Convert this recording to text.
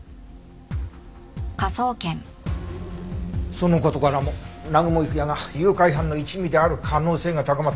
その事からも南雲郁也が誘拐犯の一味である可能性が高まった。